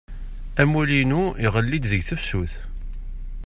Amulli-inu iɣelli-d deg tefsut.